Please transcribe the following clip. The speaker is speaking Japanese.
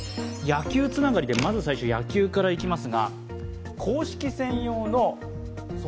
野球つながりでまず最初、野球からいきます。